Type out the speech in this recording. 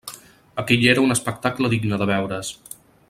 Aquell era un espectacle digne de veure's.